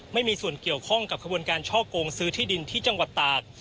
ไม่มีส่วนเกี่ยวข้องกับขบวนการช่อกงซื้อที่ดินที่จังหวัดตาก